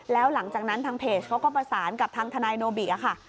แล้วหลังจากนั้นทางเพจเขาก็ประสานกับทางทนายโนบิค่ะ